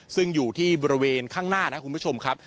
ซึ่งอยู่ที่บริเวณข้างหน้านะครับคุณผู้ชมครับ